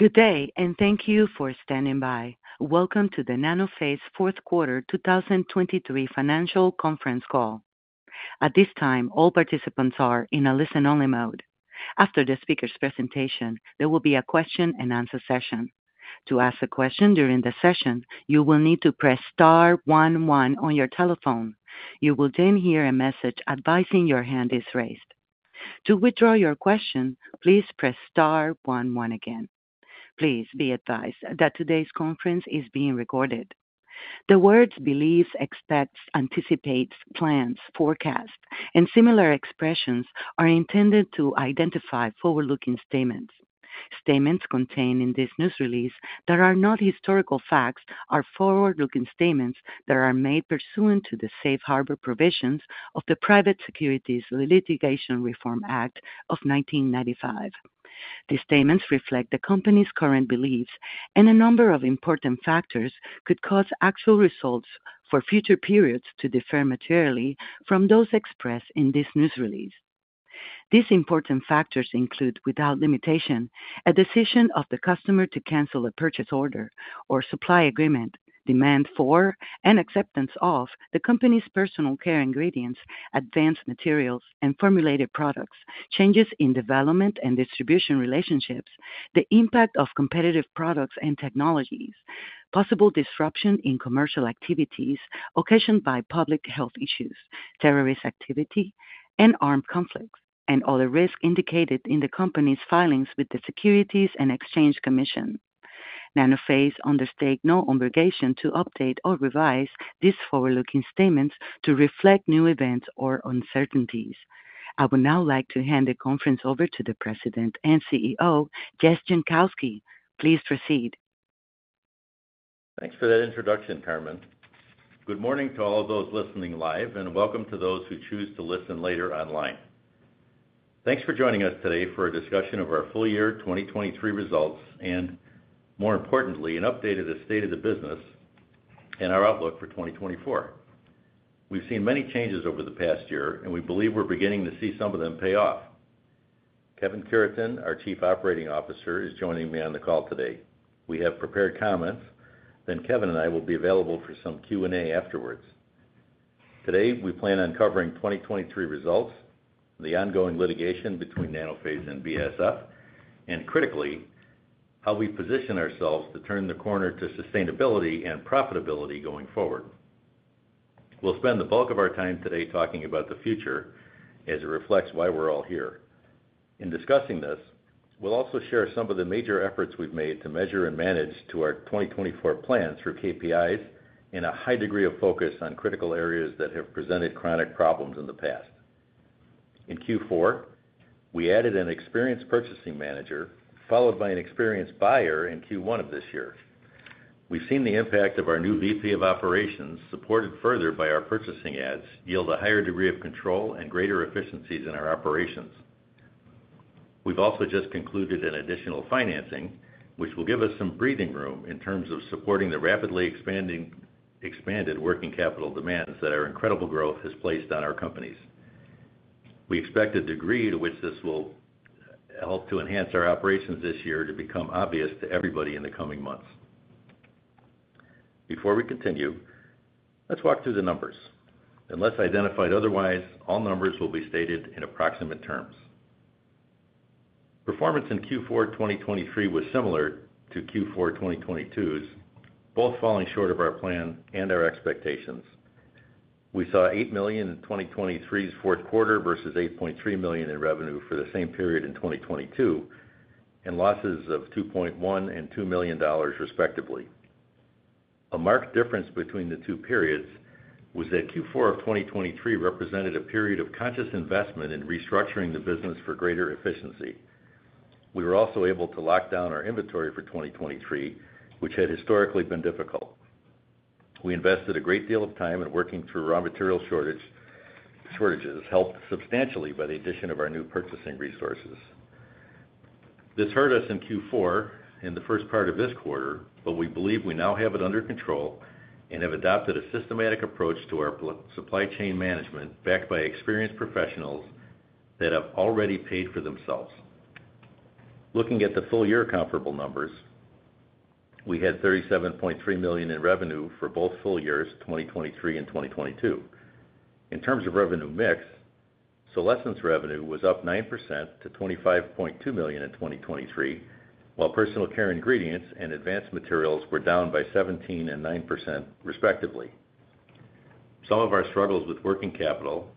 Good day and thank you for standing by. Welcome to the Nanophase 4th quarter 2023 financial conference call. At this time, all participants are in a listen-only mode. After the speaker's presentation, there will be a question-and-answer session. To ask a question during the session, you will need to press star 11 on your telephone. You will then hear a message advising your hand is raised. To withdraw your question, please press star 11 again. Please be advised that today's conference is being recorded. The words "believes, expects, anticipates, plans, forecasts," and similar expressions are intended to identify forward-looking statements. Statements contained in this news release that are not historical facts are forward-looking statements that are made pursuant to the Safe Harbor provisions of the Private Securities Litigation Reform Act of 1995. The statements reflect the company's current beliefs, and a number of important factors could cause actual results for future periods to differ materially from those expressed in this news release. These important factors include, without limitation, a decision of the customer to cancel a purchase order or supply agreement, demand for and acceptance of the company's personal care ingredients, advanced materials, and formulated products, changes in development and distribution relationships, the impact of competitive products and technologies, possible disruption in commercial activities occasioned by public health issues, terrorist activity, and armed conflicts, and other risks indicated in the company's filings with the Securities and Exchange Commission. Nanophase undertakes no obligation to update or revise these forward-looking statements to reflect new events or uncertainties. I would now like to hand the conference over to the President and CEO, Jess Jankowski. Please proceed. Thanks for that introduction, Carmen. Good morning to all of those listening live, and welcome to those who choose to listen later online. Thanks for joining us today for a discussion of our full year 2023 results and, more importantly, an update of the state of the business and our outlook for 2024. We've seen many changes over the past year, and we believe we're beginning to see some of them pay off. Kevin Cureton, our Chief Operating Officer, is joining me on the call today. We have prepared comments, then Kevin and I will be available for some Q&A afterwards. Today, we plan on covering 2023 results, the ongoing litigation between Nanophase and BASF, and critically, how we position ourselves to turn the corner to sustainability and profitability going forward. We'll spend the bulk of our time today talking about the future as it reflects why we're all here. In discussing this, we'll also share some of the major efforts we've made to measure and manage our 2024 plans through KPIs and a high degree of focus on critical areas that have presented chronic problems in the past. In Q4, we added an experienced purchasing manager, followed by an experienced buyer in Q1 of this year. We've seen the impact of our new VP of Operations, supported further by our purchasing adds, yield a higher degree of control and greater efficiencies in our operations. We've also just concluded an additional financing, which will give us some breathing room in terms of supporting the rapidly expanded working capital demands that our incredible growth has placed on our companies. We expect a degree to which this will help to enhance our operations this year to become obvious to everybody in the coming months. Before we continue, let's walk through the numbers. Unless identified otherwise, all numbers will be stated in approximate terms. Performance in Q4 2023 was similar to Q4 2022's, both falling short of our plan and our expectations. We saw $8 million in 2023's fourth quarter versus $8.3 million in revenue for the same period in 2022, and losses of $2.1 and $2 million, respectively. A marked difference between the two periods was that Q4 of 2023 represented a period of conscious investment in restructuring the business for greater efficiency. We were also able to lock down our inventory for 2023, which had historically been difficult. We invested a great deal of time in working through raw materials shortages, helped substantially by the addition of our new purchasing resources. This hurt us in Q4 in the first part of this quarter, but we believe we now have it under control and have adopted a systematic approach to our supply chain management backed by experienced professionals that have already paid for themselves. Looking at the full year comparable numbers, we had $37.3 million in revenue for both full years, 2023 and 2022. In terms of revenue mix, Solésence revenue was up 9% to $25.2 million in 2023, while personal care ingredients and advanced materials were down by 17% and 9%, respectively. Some of our struggles with working capital,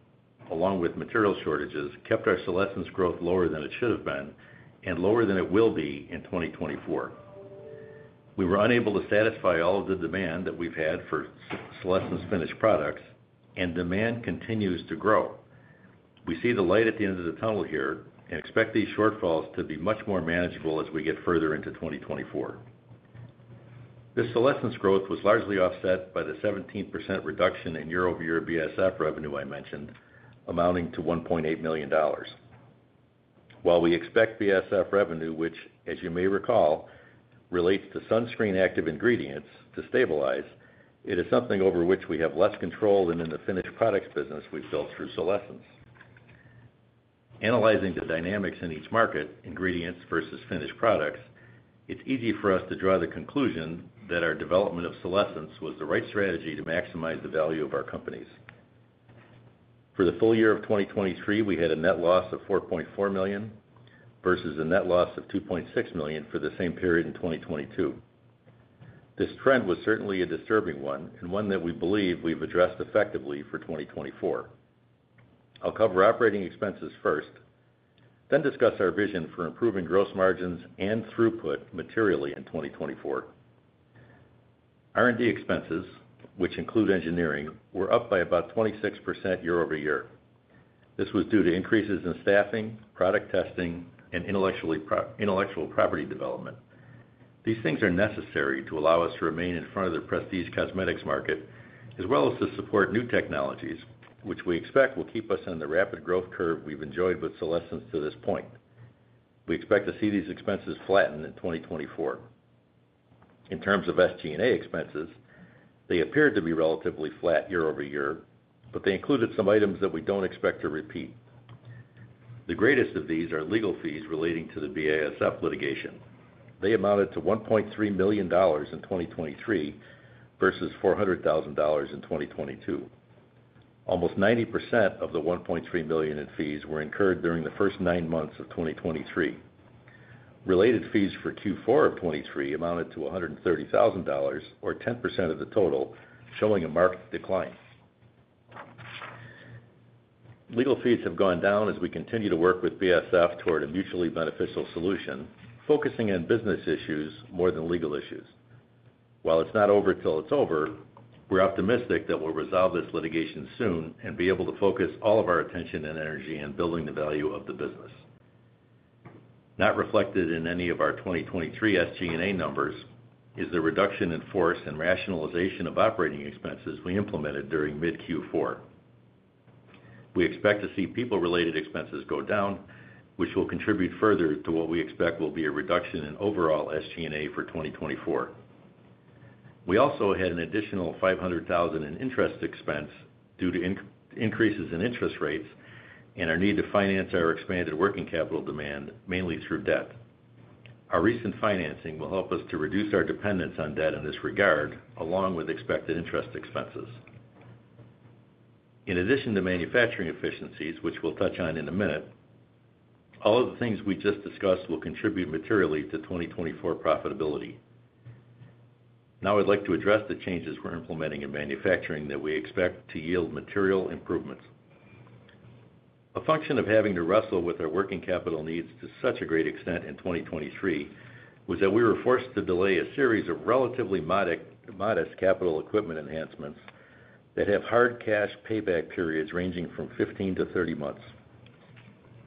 along with material shortages, kept our Solésence growth lower than it should have been and lower than it will be in 2024. We were unable to satisfy all of the demand that we've had for Solésence finished products, and demand continues to grow. We see the light at the end of the tunnel here and expect these shortfalls to be much more manageable as we get further into 2024. This Solésence growth was largely offset by the 17% reduction in year-over-year BASF revenue I mentioned, amounting to $1.8 million. While we expect BASF revenue, which, as you may recall, relates to sunscreen active ingredients to stabilize, it is something over which we have less control than in the finished products business we've built through Solésence. Analyzing the dynamics in each market, ingredients versus finished products, it's easy for us to draw the conclusion that our development of Solésence was the right strategy to maximize the value of our companies. For the full year of 2023, we had a net loss of $4.4 million versus a net loss of $2.6 million for the same period in 2022. This trend was certainly a disturbing one and one that we believe we've addressed effectively for 2024. I'll cover operating expenses first, then discuss our vision for improving gross margins and throughput materially in 2024. R&D expenses, which include engineering, were up by about 26% year-over-year. This was due to increases in staffing, product testing, and intellectual property development. These things are necessary to allow us to remain in front of the prestige cosmetics market, as well as to support new technologies, which we expect will keep us on the rapid growth curve we've enjoyed with Solésence to this point. We expect to see these expenses flatten in 2024. In terms of SG&A expenses, they appeared to be relatively flat year-over-year, but they included some items that we don't expect to repeat. The greatest of these are legal fees relating to the BASF litigation. They amounted to $1.3 million in 2023 versus $400,000 in 2022. Almost 90% of the $1.3 million in fees were incurred during the first nine months of 2023. Related fees for Q4 of 2023 amounted to $130,000, or 10% of the total, showing a marked decline. Legal fees have gone down as we continue to work with BASF toward a mutually beneficial solution, focusing on business issues more than legal issues. While it's not over till it's over, we're optimistic that we'll resolve this litigation soon and be able to focus all of our attention and energy on building the value of the business. Not reflected in any of our 2023 SG&A numbers is the reduction in force and rationalization of operating expenses we implemented during mid-Q4. We expect to see people-related expenses go down, which will contribute further to what we expect will be a reduction in overall SG&A for 2024. We also had an additional $500,000 in interest expense due to increases in interest rates and our need to finance our expanded working capital demand, mainly through debt. Our recent financing will help us to reduce our dependence on debt in this regard, along with expected interest expenses. In addition to manufacturing efficiencies, which we'll touch on in a minute, all of the things we just discussed will contribute materially to 2024 profitability. Now I'd like to address the changes we're implementing in manufacturing that we expect to yield material improvements. A function of having to wrestle with our working capital needs to such a great extent in 2023 was that we were forced to delay a series of relatively modest capital equipment enhancements that have hard cash payback periods ranging from 15-30 months,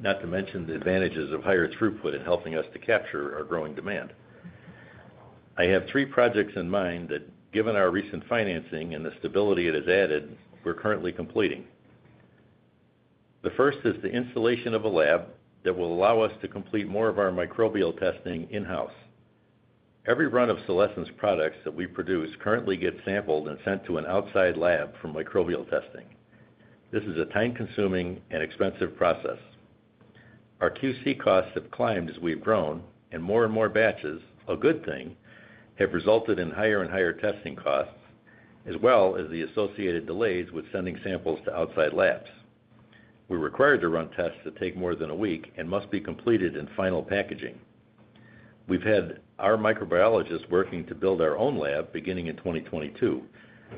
not to mention the advantages of higher throughput in helping us to capture our growing demand. I have three projects in mind that, given our recent financing and the stability it has added, we're currently completing. The first is the installation of a lab that will allow us to complete more of our microbial testing in-house. Every run of Solésence products that we produce currently gets sampled and sent to an outside lab for microbial testing. This is a time-consuming and expensive process. Our QC costs have climbed as we've grown, and more and more batches, a good thing, have resulted in higher and higher testing costs, as well as the associated delays with sending samples to outside labs. We're required to run tests that take more than a week and must be completed in final packaging. We've had our microbiologists working to build our own lab beginning in 2022.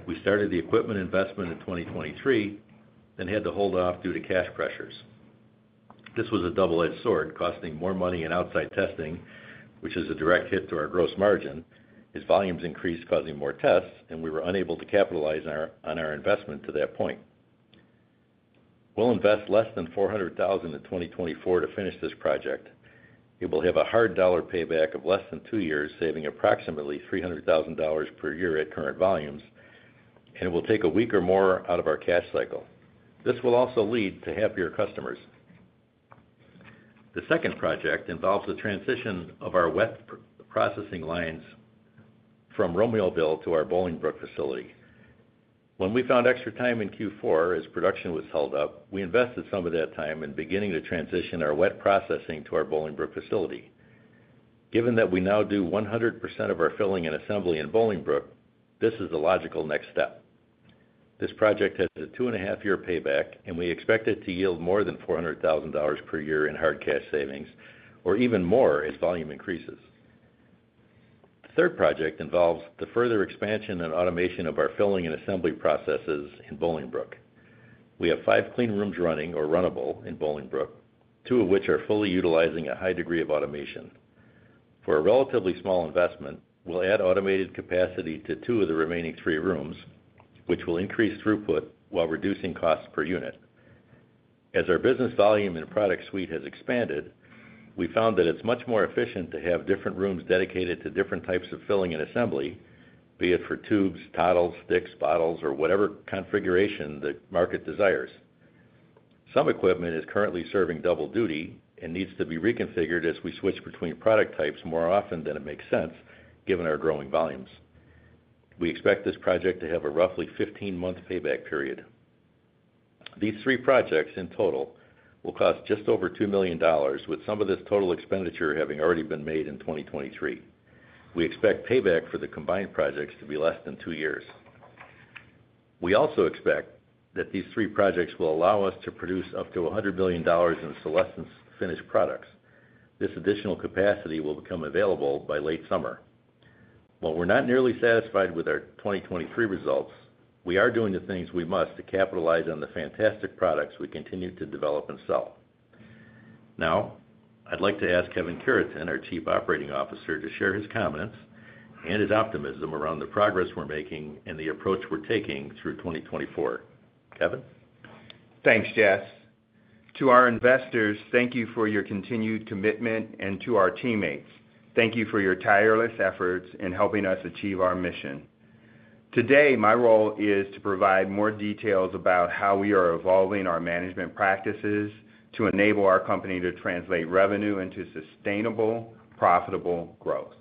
We started the equipment investment in 2023, then had to hold off due to cash pressures. This was a double-edged sword, costing more money in outside testing, which is a direct hit to our gross margin, as volumes increased causing more tests, and we were unable to capitalize on our investment to that point. We'll invest less than $400,000 in 2024 to finish this project. It will have a hard dollar payback of less than 2 years, saving approximately $300,000 per year at current volumes, and it will take a week or more out of our cash cycle. This will also lead to happier customers. The second project involves the transition of our wet processing lines from Romeoville to our Bolingbrook facility. When we found extra time in Q4 as production was held up, we invested some of that time in beginning to transition our wet processing to our Bolingbrook facility. Given that we now do 100% of our filling and assembly in Bolingbrook, this is the logical next step. This project has a 2.5-year payback, and we expect it to yield more than $400,000 per year in hard cash savings, or even more as volume increases. The third project involves the further expansion and automation of our filling and assembly processes in Bolingbrook. We have 5 clean rooms running, or runnable, in Bolingbrook, 2 of which are fully utilizing a high degree of automation. For a relatively small investment, we'll add automated capacity to 2 of the remaining 3 rooms, which will increase throughput while reducing costs per unit. As our business volume and product suite has expanded, we found that it's much more efficient to have different rooms dedicated to different types of filling and assembly, be it for tubes, tottles, sticks, bottles, or whatever configuration the market desires. Some equipment is currently serving double duty and needs to be reconfigured as we switch between product types more often than it makes sense, given our growing volumes. We expect this project to have a roughly 15-month payback period. These three projects, in total, will cost just over $2 million, with some of this total expenditure having already been made in 2023. We expect payback for the combined projects to be less than two years. We also expect that these three projects will allow us to produce up to $100 million in Solésence finished products. This additional capacity will become available by late summer. While we're not nearly satisfied with our 2023 results, we are doing the things we must to capitalize on the fantastic products we continue to develop and sell. Now, I'd like to ask Kevin Cureton, our Chief Operating Officer, to share his comments and his optimism around the progress we're making and the approach we're taking through 2024. Kevin? Thanks, Jess. To our investors, thank you for your continued commitment, and to our teammates, thank you for your tireless efforts in helping us achieve our mission. Today, my role is to provide more details about how we are evolving our management practices to enable our company to translate revenue into sustainable, profitable growth.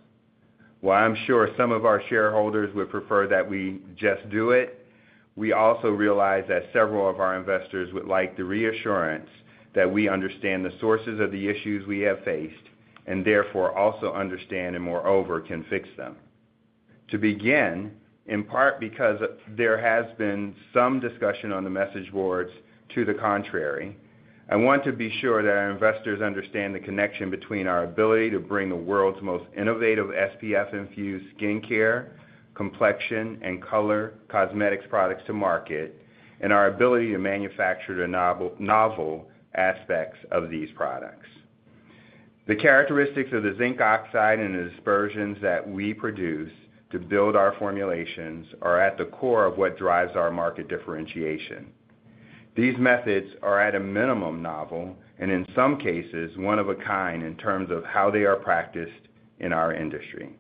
While I'm sure some of our shareholders would prefer that we just do it, we also realize that several of our investors would like the reassurance that we understand the sources of the issues we have faced and, therefore, also understand and, moreover, can fix them. To begin, in part because there has been some discussion on the message boards to the contrary, I want to be sure that our investors understand the connection between our ability to bring the world's most innovative SPF-infused skincare, complexion, and color cosmetics products to market and our ability to manufacture the novel aspects of these products. The characteristics of the zinc oxide and the dispersions that we produce to build our formulations are at the core of what drives our market differentiation. These methods are at a minimum novel and, in some cases, one of a kind in terms of how they are practiced in our industry.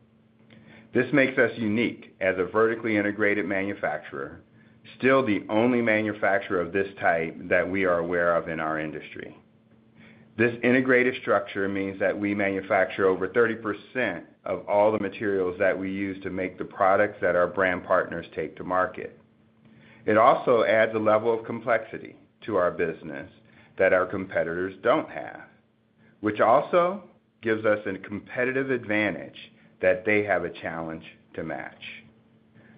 This makes us unique as a vertically integrated manufacturer, still the only manufacturer of this type that we are aware of in our industry. This integrated structure means that we manufacture over 30% of all the materials that we use to make the products that our brand partners take to market. It also adds a level of complexity to our business that our competitors don't have, which also gives us a competitive advantage that they have a challenge to match.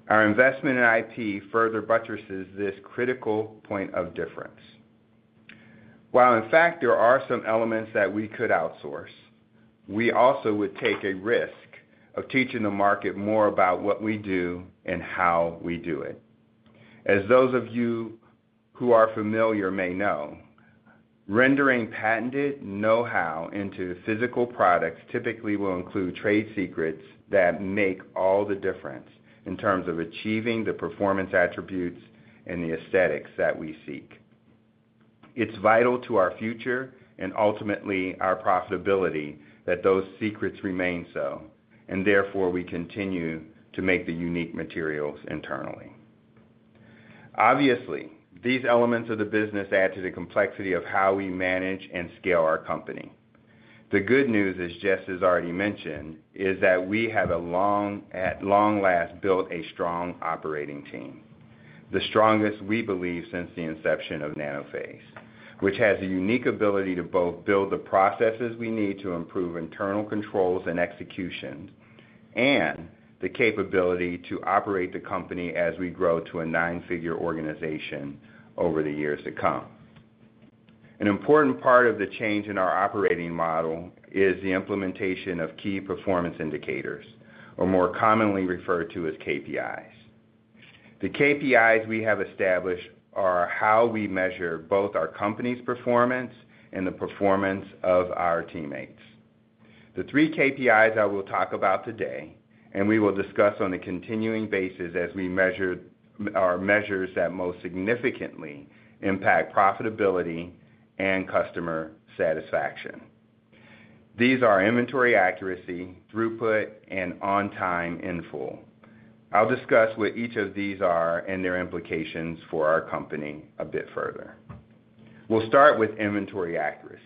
Our investment in IP further buttresses this critical point of difference. While in fact, there are some elements that we could outsource, we also would take a risk of teaching the market more about what we do and how we do it. As those of you who are familiar may know, rendering patented know-how into physical products typically will include trade secrets that make all the difference in terms of achieving the performance attributes and the aesthetics that we seek. It's vital to our future and, ultimately, our profitability that those secrets remain so, and therefore we continue to make the unique materials internally. Obviously, these elements of the business add to the complexity of how we manage and scale our company. The good news, as Jess has already mentioned, is that we have, at long last, built a strong operating team, the strongest we believe since the inception of Nanophase, which has the unique ability to both build the processes we need to improve internal controls and execution and the capability to operate the company as we grow to a nine-figure organization over the years to come. An important part of the change in our operating model is the implementation of key performance indicators, or more commonly referred to as KPIs. The KPIs we have established are how we measure both our company's performance and the performance of our teammates. The three KPIs I will talk about today, and we will discuss on a continuing basis as we measure our measures that most significantly impact profitability and customer satisfaction. These are inventory accuracy, throughput, and on-time in-full. I'll discuss what each of these are and their implications for our company a bit further. We'll start with inventory accuracy.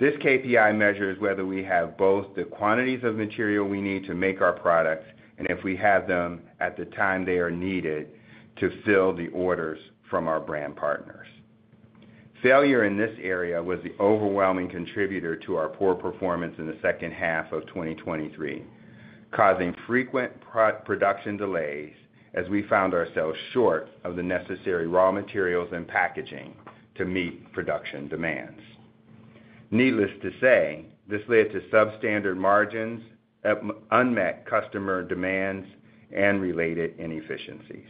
This KPI measures whether we have both the quantities of material we need to make our products and if we have them at the time they are needed to fill the orders from our brand partners. Failure in this area was the overwhelming contributor to our poor performance in the second half of 2023, causing frequent production delays as we found ourselves short of the necessary raw materials and packaging to meet production demands. Needless to say, this led to substandard margins, unmet customer demands, and related inefficiencies.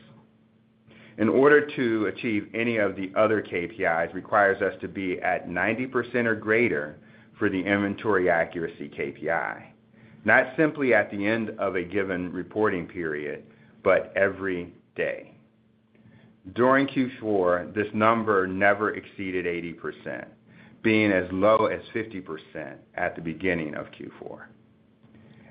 In order to achieve any of the other KPIs, it requires us to be at 90% or greater for the inventory accuracy KPI, not simply at the end of a given reporting period but every day. During Q4, this number never exceeded 80%, being as low as 50% at the beginning of Q4.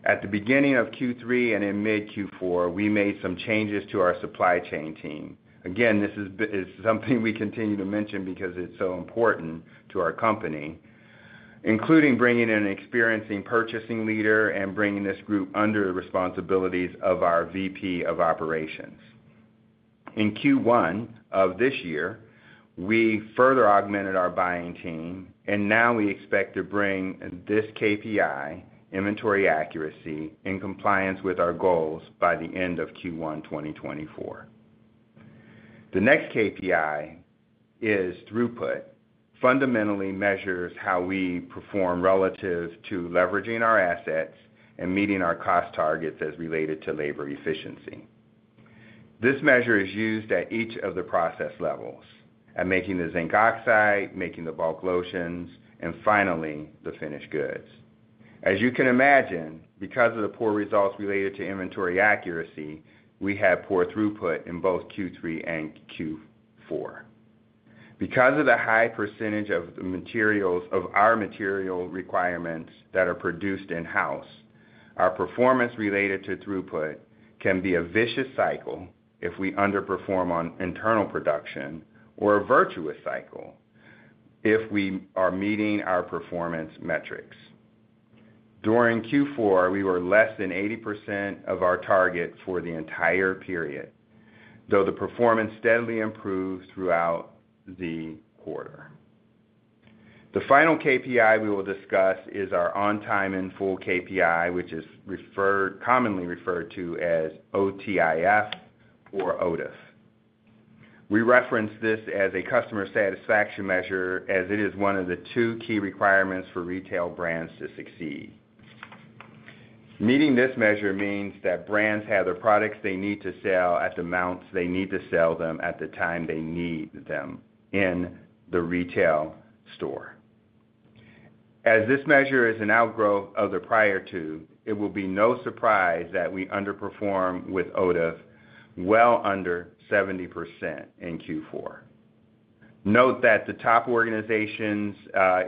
At the beginning of Q3 and in mid-Q4, we made some changes to our supply chain team. Again, this is something we continue to mention because it's so important to our company, including bringing in an experienced purchasing leader and bringing this group under the responsibilities of our VP of Operations. In Q1 of this year, we further augmented our buying team, and now we expect to bring this KPI, inventory accuracy, in compliance with our goals by the end of Q1 2024. The next KPI is throughput, fundamentally measures how we perform relative to leveraging our assets and meeting our cost targets as related to labor efficiency. This measure is used at each of the process levels: at making the zinc oxide, making the bulk lotions, and finally, the finished goods. As you can imagine, because of the poor results related to inventory accuracy, we had poor throughput in both Q3 and Q4. Because of the high percentage of our material requirements that are produced in-house, our performance related to throughput can be a vicious cycle if we underperform on internal production or a virtuous cycle if we are meeting our performance metrics. During Q4, we were less than 80% of our target for the entire period, though the performance steadily improved throughout the quarter. The final KPI we will discuss is our on-time in-full KPI, which is commonly referred to as OTIF. We reference this as a customer satisfaction measure as it is one of the two key requirements for retail brands to succeed. Meeting this measure means that brands have the products they need to sell at the amounts they need to sell them at the time they need them in the retail store. As this measure is an outgrowth of the prior two, it will be no surprise that we underperform with OTIF well under 70% in Q4. Note that the top organizations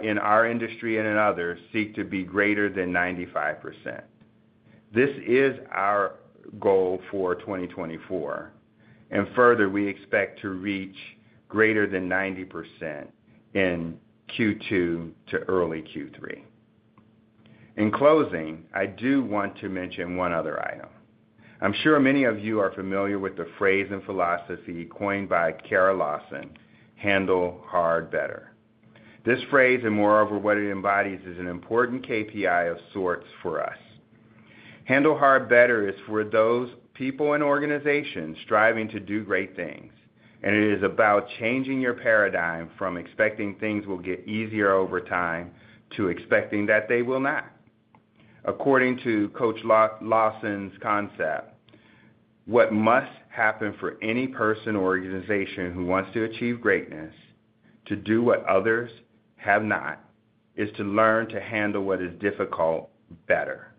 in our industry and in others seek to be greater than 95%. This is our goal for 2024, and further, we expect to reach greater than 90% in Q2 to early Q3. In closing, I do want to mention one other item. I'm sure many of you are familiar with the phrase and philosophy coined by Kara Lawson, "Handle Hard Better." This phrase and, moreover, what it embodies is an important KPI of sorts for us. Handle Hard Better is for those people and organizations striving to do great things, and it is about changing your paradigm from expecting things will get easier over time to expecting that they will not. According to Coach Lawson's concept, what must happen for any person or organization who wants to achieve greatness to do what others have not is to learn to handle what is difficult better.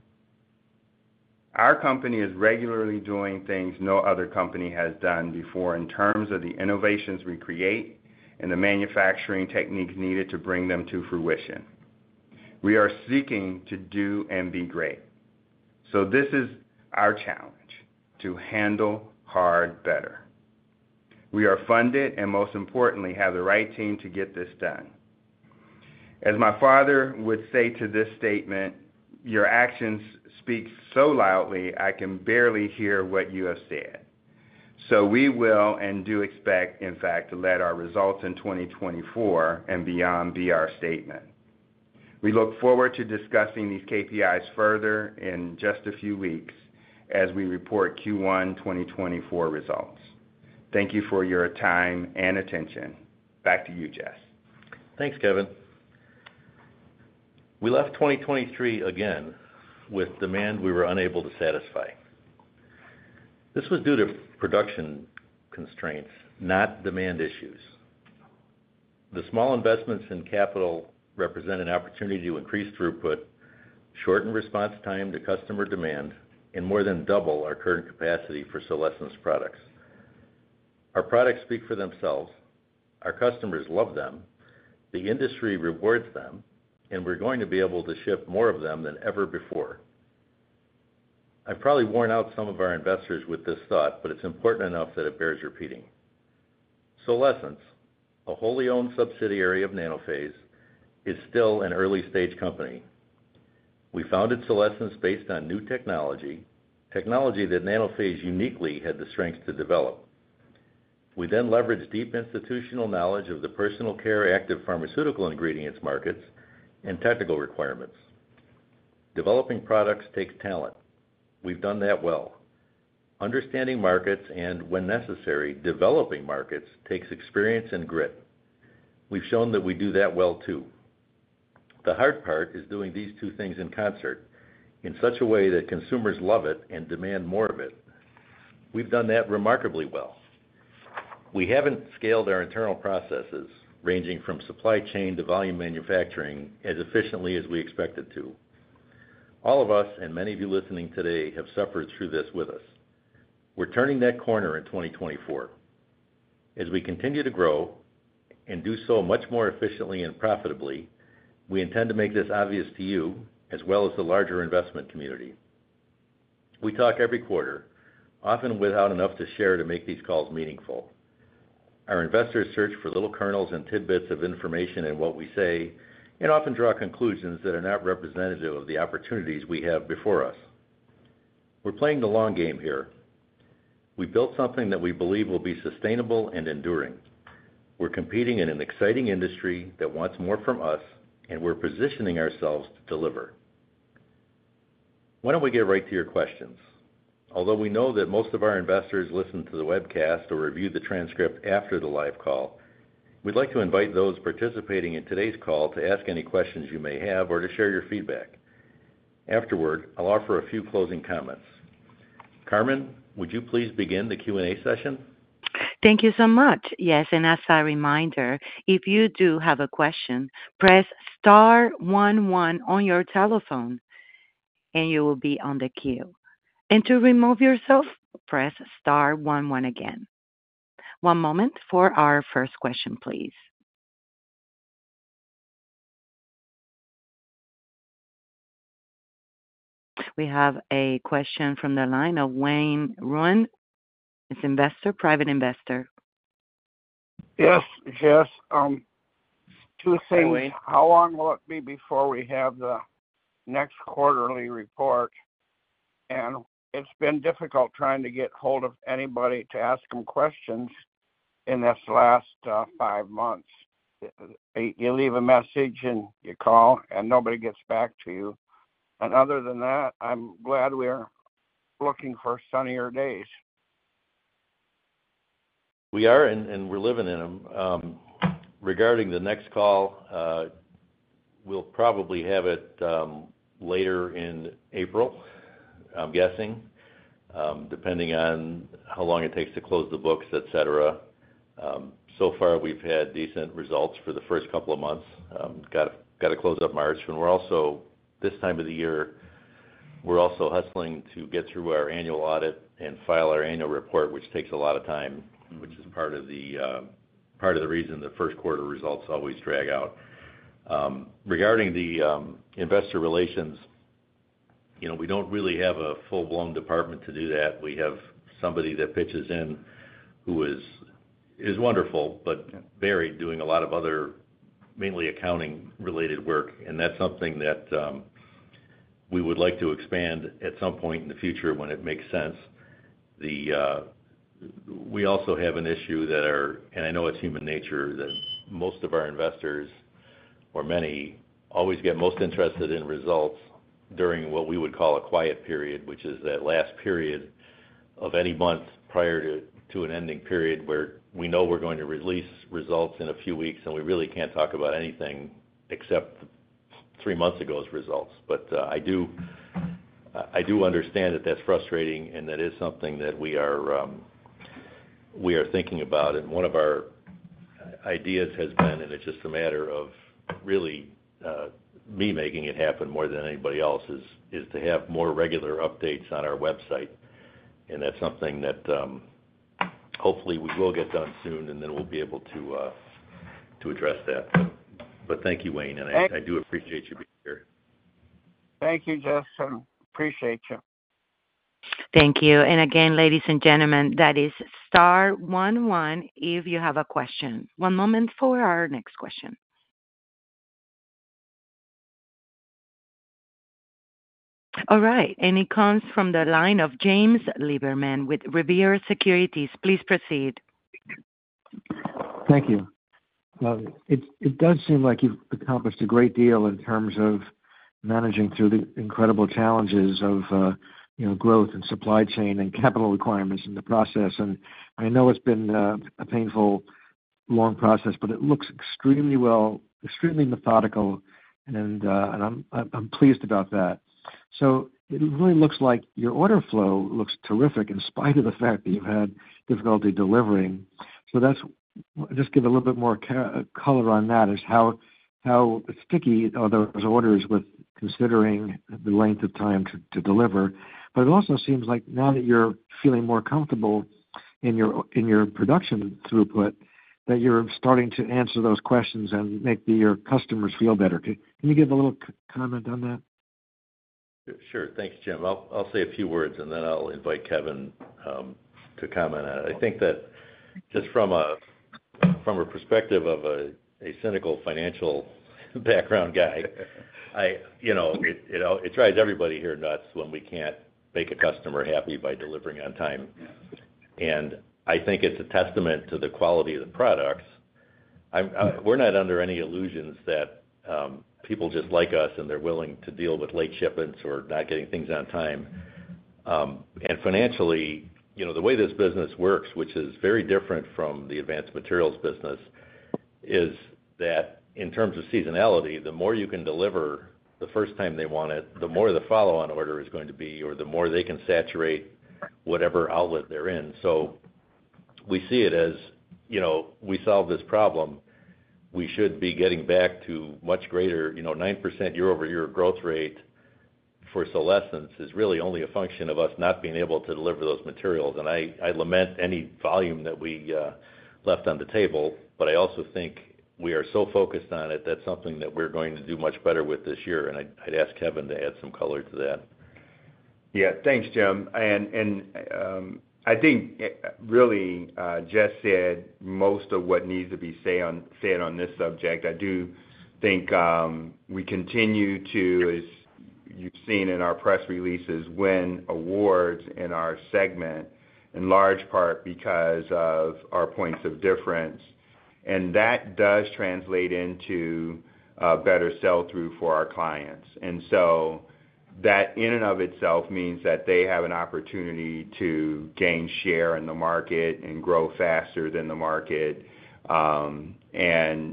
Our company is regularly doing things no other company has done before in terms of the innovations we create and the manufacturing techniques needed to bring them to fruition. We are seeking to do and be great, so this is our challenge: to Handle Hard Better. We are funded and, most importantly, have the right team to get this done. As my father would say to this statement, "Your actions speak so loudly I can barely hear what you have said." So we will and do expect, in fact, to let our results in 2024 and beyond be our statement. We look forward to discussing these KPIs further in just a few weeks as we report Q1 2024 results. Thank you for your time and attention. Back to you, Jess. Thanks, Kevin. We left 2023 again with demand we were unable to satisfy. This was due to production constraints, not demand issues. The small investments in capital represent an opportunity to increase throughput, shorten response time to customer demand, and more than double our current capacity for Solésence products. Our products speak for themselves. Our customers love them. The industry rewards them, and we're going to be able to ship more of them than ever before. I've probably worn out some of our investors with this thought, but it's important enough that it bears repeating. Solésence, a wholly owned subsidiary of Nanophase, is still an early-stage company. We founded Solésence based on new technology, technology that Nanophase uniquely had the strength to develop. We then leveraged deep institutional knowledge of the personal care active pharmaceutical ingredients markets and technical requirements. Developing products takes talent. We've done that well. Understanding markets and, when necessary, developing markets takes experience and grit. We've shown that we do that well too. The hard part is doing these two things in concert in such a way that consumers love it and demand more of it. We've done that remarkably well. We haven't scaled our internal processes, ranging from supply chain to volume manufacturing, as efficiently as we expected to. All of us and many of you listening today have suffered through this with us. We're turning that corner in 2024. As we continue to grow and do so much more efficiently and profitably, we intend to make this obvious to you as well as the larger investment community. We talk every quarter, often without enough to share to make these calls meaningful. Our investors search for little kernels and tidbits of information in what we say and often draw conclusions that are not representative of the opportunities we have before us. We're playing the long game here. We built something that we believe will be sustainable and enduring. We're competing in an exciting industry that wants more from us, and we're positioning ourselves to deliver. Why don't we get right to your questions? Although we know that most of our investors listen to the webcast or review the transcript after the live call, we'd like to invite those participating in today's call to ask any questions you may have or to share your feedback. Afterward, I'll offer a few closing comments. Carmen, would you please begin the Q&A session? Thank you so much. Yes, and as a reminder, if you do have a question, press star 11 on your telephone, and you will be on the queue. And to remove yourself, press star 11 again. One moment for our first question, please. We have a question from the line of Wayne Rouhan. It's investor, private investor. Yes, Jess. Two things. How long will it be before we have the next quarterly report? And it's been difficult trying to get hold of anybody to ask them questions in this last five months. You leave a message, and you call, and nobody gets back to you. And other than that, I'm glad we're looking for sunnier days. We are, and we're living in them. Regarding the next call, we'll probably have it later in April, I'm guessing, depending on how long it takes to close the books, etc. So far, we've had decent results for the first couple of months. Got to close up March. And this time of the year, we're also hustling to get through our annual audit and file our annual report, which takes a lot of time, which is part of the reason the first quarter results always drag out. Regarding the investor relations, we don't really have a full-blown department to do that. We have somebody that pitches in who is wonderful but buried doing a lot of other, mainly accounting-related work, and that's something that we would like to expand at some point in the future when it makes sense. We also have an issue that are, and I know it's human nature that most of our investors, or many, always get most interested in results during what we would call a quiet period, which is that last period of any month prior to an ending period where we know we're going to release results in a few weeks, and we really can't talk about anything except three months ago's results. I do understand that that's frustrating, and that is something that we are thinking about. One of our ideas has been, and it's just a matter of really me making it happen more than anybody else, is to have more regular updates on our website. That's something that hopefully we will get done soon, and then we'll be able to address that. Thank you, Wayne, and I do appreciate you being here. Thank you, Jess. I appreciate you. Thank you. Again, ladies and gentlemen, that is star 11 if you have a question. One moment for our next question. All right. It comes from the line of James Lieberman with Revere Securities. Please proceed. Thank you. It does seem like you've accomplished a great deal in terms of managing through the incredible challenges of growth and supply chain and capital requirements in the process. I know it's been a painful, long process, but it looks extremely well, extremely methodical, and I'm pleased about that. It really looks like your order flow looks terrific in spite of the fact that you've had difficulty delivering. Just give a little bit more color on that. That is how sticky those orders, with considering the length of time to deliver. It also seems like now that you're feeling more comfortable in your production throughput, that you're starting to answer those questions and make your customers feel better. Can you give a little comment on that? Sure. Thanks, Jim. I'll say a few words, and then I'll invite Kevin to comment on it. I think that just from a perspective of a cynical financial background guy, it drives everybody here nuts when we can't make a customer happy by delivering on time. And I think it's a testament to the quality of the products. We're not under any illusions that people just like us, and they're willing to deal with late shipments or not getting things on time. And financially, the way this business works, which is very different from the Advanced Materials business, is that in terms of seasonality, the more you can deliver the first time they want it, the more the follow-on order is going to be or the more they can saturate whatever outlet they're in. So we see it as we solve this problem, we should be getting back to much greater 9% year-over-year growth rate for Solésence is really only a function of us not being able to deliver those materials. And I lament any volume that we left on the table, but I also think we are so focused on it that's something that we're going to do much better with this year. And I'd ask Kevin to add some color to that. Yeah. Thanks, Jim. And I think really Jess said most of what needs to be said on this subject. I do think we continue to, as you've seen in our press releases, win awards in our segment, in large part because of our points of difference. And that does translate into better sell-through for our clients. And so that in and of itself means that they have an opportunity to gain share in the market and grow faster than the market. And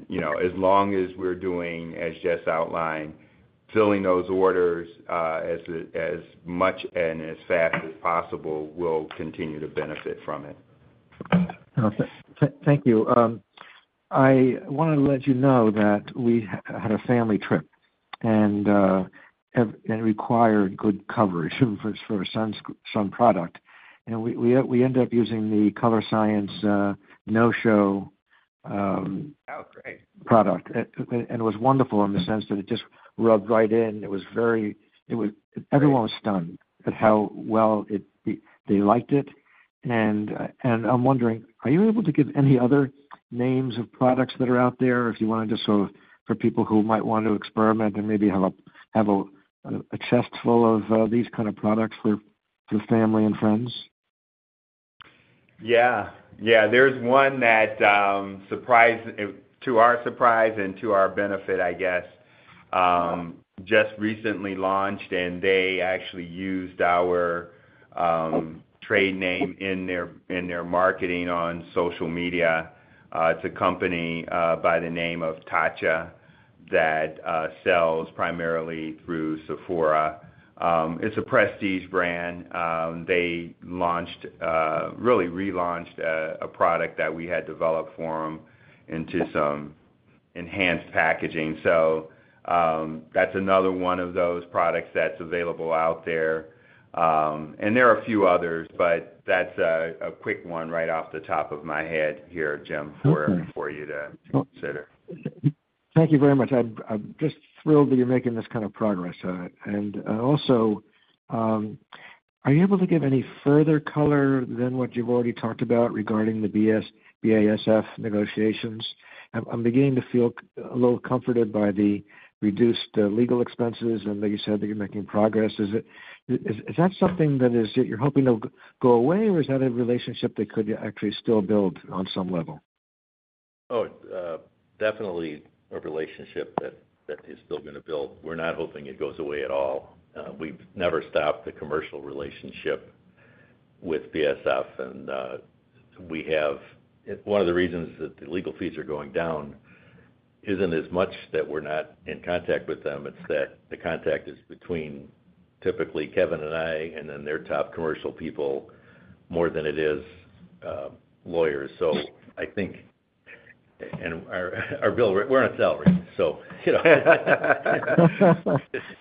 as long as we're doing, as Jess outlined, filling those orders as much and as fast as possible, we'll continue to benefit from it. Perfect. Thank you. I want to let you know that we had a family trip, and it required good coverage for a sun product. We ended up using the Colorescience No-Show product, and it was wonderful in the sense that it just rubbed right in. Everyone was stunned at how well they liked it. I'm wondering, are you able to give any other names of products that are out there if you want to just sort of for people who might want to experiment and maybe have a chest full of these kind of products for family and friends? Yeah. Yeah. There's one that surprised to our surprise and to our benefit, I guess, just recently launched, and they actually used our trade name in their marketing on social media. It's a company by the name of Tatcha that sells primarily through Sephora. It's a prestige brand. They really relaunched a product that we had developed for them into some enhanced packaging. So that's another one of those products that's available out there. And there are a few others, but that's a quick one right off the top of my head here, Jim, for you to consider. Thank you very much. I'm just thrilled that you're making this kind of progress. Also, are you able to give any further color than what you've already talked about regarding the BASF negotiations? I'm beginning to feel a little comforted by the reduced legal expenses, and like you said, that you're making progress. Is that something that you're hoping to go away, or is that a relationship that could actually still build on some level? Oh, definitely a relationship that is still going to build. We're not hoping it goes away at all. We've never stopped the commercial relationship with BASF. One of the reasons that the legal fees are going down isn't as much that we're not in contact with them. It's that the contact is between typically Kevin and I and then their top commercial people more than it is lawyers. Our bill, we're on a salary, so.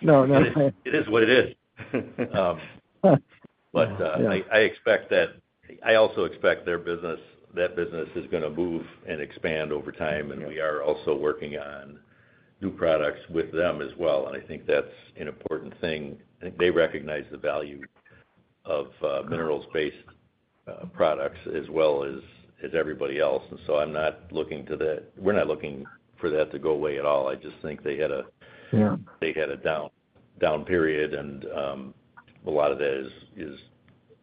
No, no. It is what it is. But I also expect that business is going to move and expand over time, and we are also working on new products with them as well. And I think that's an important thing. I think they recognize the value of minerals-based products as well as everybody else. And so we're not looking for that to go away at all. I just think they had a down period, and a lot of that is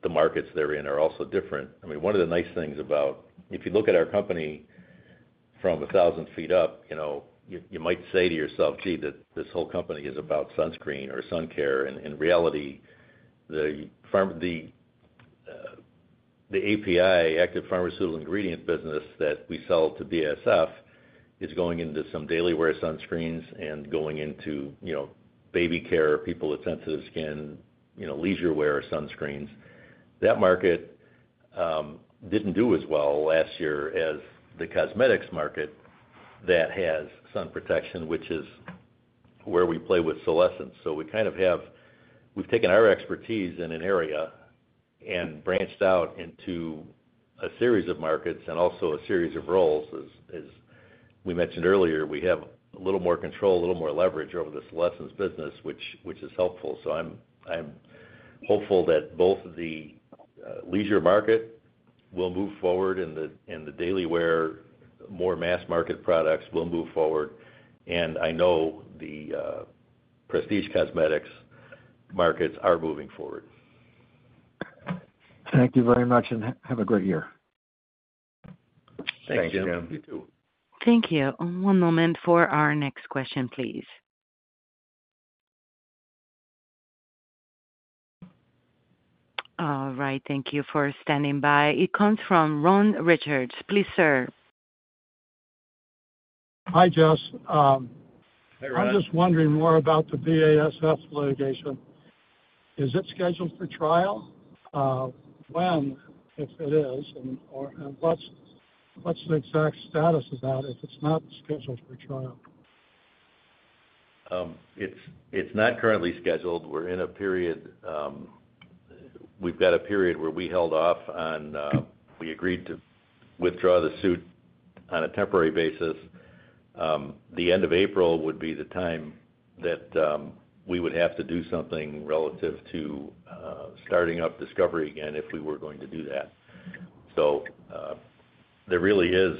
the markets they're in are also different. I mean, one of the nice things about if you look at our company from 1,000 feet up, you might say to yourself, "Gee, this whole company is about sunscreen or suncare." In reality, the API, active pharmaceutical ingredient business that we sell to BASF is going into some daily wear sunscreens and going into baby care, people with sensitive skin, leisure wear sunscreens. That market didn't do as well last year as the cosmetics market that has sun protection, which is where we play with Solésence. So we kind of we've taken our expertise in an area and branched out into a series of markets and also a series of roles. As we mentioned earlier, we have a little more control, a little more leverage over the Solésence business, which is helpful. I'm hopeful that both the leisure market will move forward and the daily wear, more mass market products will move forward. I know the prestige cosmetics markets are moving forward. Thank you very much, and have a great year. Thanks, Jim. Thanks, Jim. You too. Thank you. One moment for our next question, please. All right. Thank you for standing by. It comes from Ron Richards. Please, sir. Hi, Jess. I'm just wondering more about the BASF litigation. Is it scheduled for trial? When, if it is, and what's the exact status of that if it's not scheduled for trial? It's not currently scheduled. We're in a period where we agreed to withdraw the suit on a temporary basis. The end of April would be the time that we would have to do something relative to starting up discovery again if we were going to do that. So there really is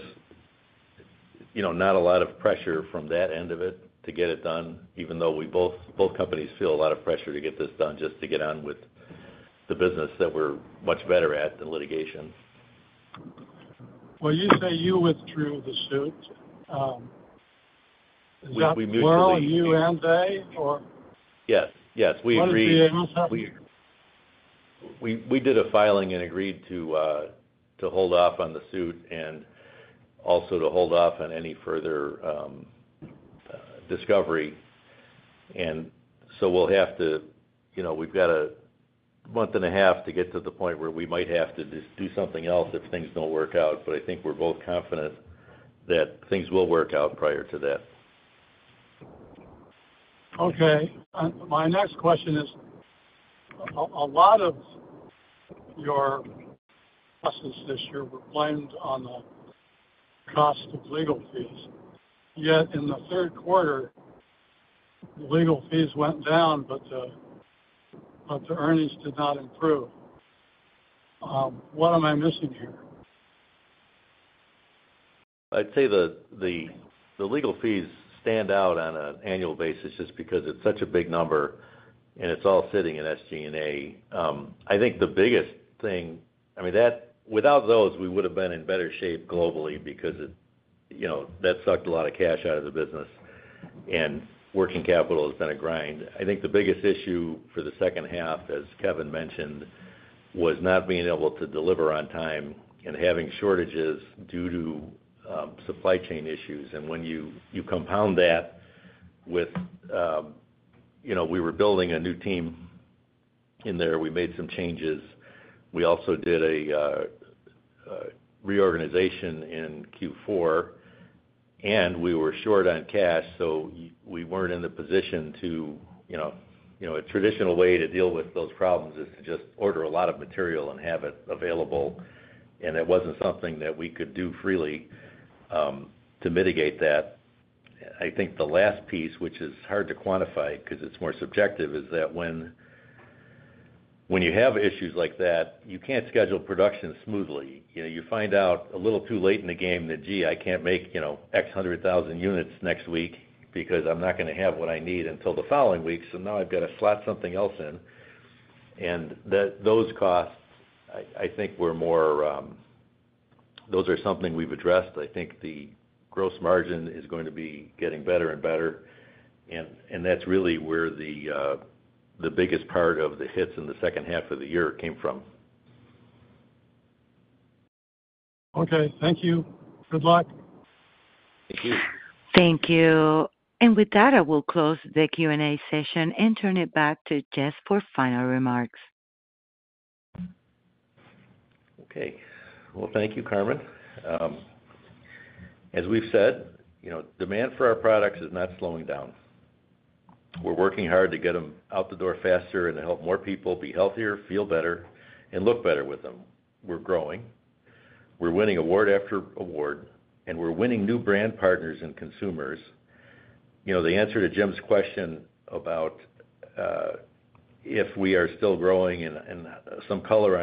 not a lot of pressure from that end of it to get it done, even though we both companies feel a lot of pressure to get this done just to get on with the business that we're much better at than litigation. Well, you say you withdrew the suit. Is that? We mutually. Well, you and they, or? Yes. Yes. We agreed. One of BASF? We did a filing and agreed to hold off on the suit and also to hold off on any further discovery. And so we've got a month and a half to get to the point where we might have to just do something else if things don't work out. But I think we're both confident that things will work out prior to that. Okay. My next question is a lot of your process this year was blamed on the cost of legal fees. Yet in the third quarter, the legal fees went down, but the earnings did not improve. What am I missing here? I'd say the legal fees stand out on an annual basis just because it's such a big number, and it's all sitting in SG&A. I think the biggest thing I mean, without those, we would have been in better shape globally because that sucked a lot of cash out of the business, and working capital has been a grind. I think the biggest issue for the second half, as Kevin mentioned, was not being able to deliver on time and having shortages due to supply chain issues. When you compound that with we were building a new team in there. We made some changes. We also did a reorganization in Q4, and we were short on cash, so we weren't in the position to a traditional way to deal with those problems is to just order a lot of material and have it available. And it wasn't something that we could do freely to mitigate that. I think the last piece, which is hard to quantify because it's more subjective, is that when you have issues like that, you can't schedule production smoothly. You find out a little too late in the game that, "Gee, I can't make X hundred thousand units next week because I'm not going to have what I need until the following week. So now I've got to slot something else in." And those costs, I think, were more. Those are something we've addressed. I think the gross margin is going to be getting better and better. And that's really where the biggest part of the hits in the second half of the year came from. Okay. Thank you. Good luck. Thank you. Thank you. With that, I will close the Q&A session and turn it back to Jess for final remarks. Okay. Well, thank you, Carmen. As we've said, demand for our products is not slowing down. We're working hard to get them out the door faster and to help more people be healthier, feel better, and look better with them. We're growing. We're winning award after award, and we're winning new brand partners and consumers. The answer to Jim's question about if we are still growing and some color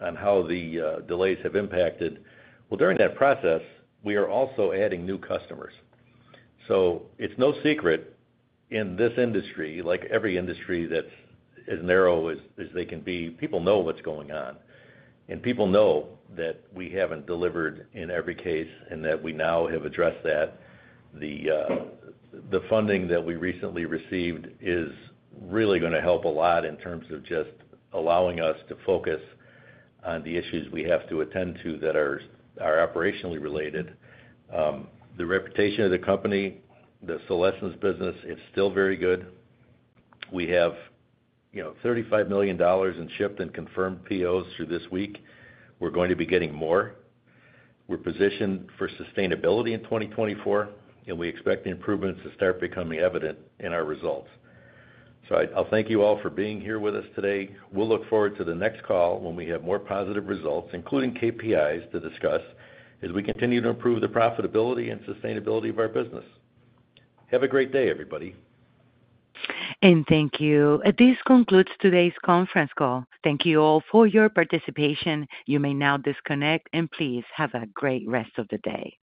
on how the delays have impacted, well, during that process, we are also adding new customers. So it's no secret in this industry, like every industry that's as narrow as they can be, people know what's going on. And people know that we haven't delivered in every case and that we now have addressed that. The funding that we recently received is really going to help a lot in terms of just allowing us to focus on the issues we have to attend to that are operationally related. The reputation of the company, the Solésence business, is still very good. We have $35 million in shipped and confirmed POs through this week. We're going to be getting more. We're positioned for sustainability in 2024, and we expect improvements to start becoming evident in our results. So I'll thank you all for being here with us today. We'll look forward to the next call when we have more positive results, including KPIs, to discuss as we continue to improve the profitability and sustainability of our business. Have a great day, everybody. Thank you. This concludes today's conference call. Thank you all for your participation. You may now disconnect, and please have a great rest of the day.